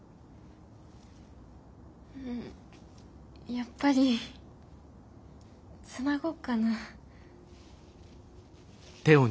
やっぱりつなごっかな。